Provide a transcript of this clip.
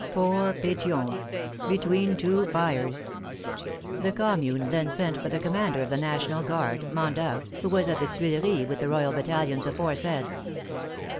Poor Petion ! between two fires ! The Commune then sent for the commander of the Na tional Guard, Mandat, who was at the Tuileries with the royal battalions aforesaid.